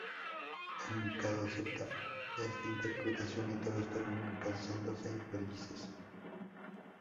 El Mikado acepta esta interpretación, y todos terminan casándose y felices.